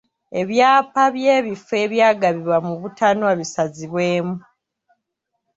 Ebyapa eby'ebifo ebyagabibwa mu butanwa bisazibwemu.